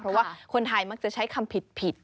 เพราะว่าคนไทยมักจะใช้คำผิด